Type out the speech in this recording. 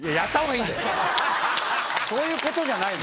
そういうことじゃないの！